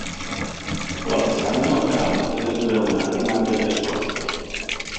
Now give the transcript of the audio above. La façana lateral és esglaonada i marca tres cossos.